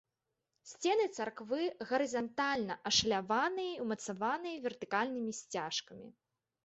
Сцены царквы гарызантальна ашаляваныя і ўмацаваныя вертыкальнымі сцяжкамі.